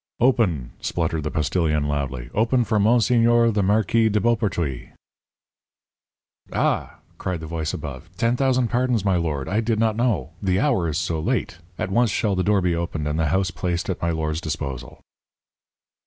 "Open!" spluttered the postilion, loudly; "open for Monsiegneur the Marquis de Beaupertuys." "Ah!" cried the voice above. "Ten thousand pardons, my lord. I did not know the hour is so late at once shall the door be opened, and the house placed at my lord's disposal."